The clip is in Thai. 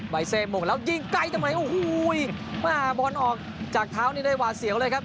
เซโมงแล้วยิงไกลตรงไหนโอ้โหแม่บอลออกจากเท้านี้ได้หวาดเสียวเลยครับ